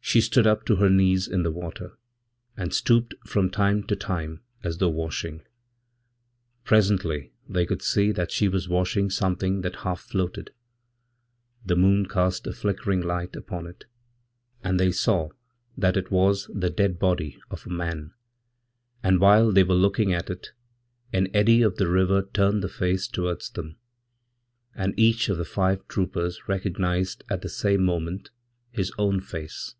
She stood up to her knees in the water, and stoopedfrom time to time as though washing. Presently they could see thatshe was washing something that half floated. The moon cast aflickering light upon it, and they saw that it was the dead body of aman, and, while they were looking at it, an eddy of the river turnedthe face towards them, and each of the five troopers recognised atthe same moment his own face.